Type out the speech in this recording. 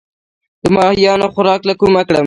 د ماهیانو خوراک له کومه کړم؟